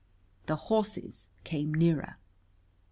The horses came nearer.